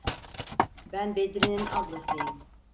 Ben Bedri’nin ablasıyım!